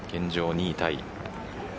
２位タイ。